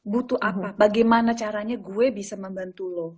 butuh apa bagaimana caranya gue bisa membantu lo